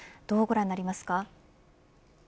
どう、ご覧になりますか。